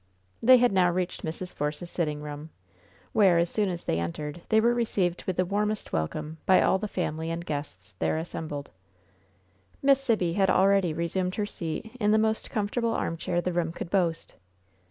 They had now reached Mrs. Force's sitting room, where, as soon as they entered, they were received with the warmest welcome by all the family and guests there assembled. Miss Sibby had already resumed her seat in the most comfortable armchair the room could boast.